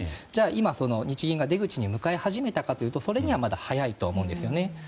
今、日銀が出口に向かい始めたかというとそれにはまだ早いと思うんです。